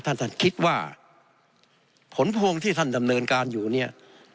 ท่านท่านคิดว่าผลพวงที่ท่านดำเนินการอยู่เนี่ย